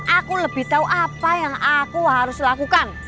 aku lebih tahu apa yang aku harus lakukan